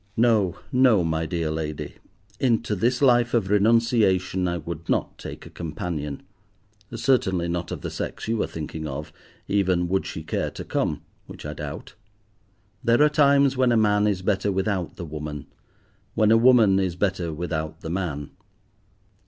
No, no, my dear lady, into this life of renunciation I would not take a companion, certainly not of the sex you are thinking of, even would she care to come, which I doubt. There are times when a man is better without the woman, when a woman is better without the man.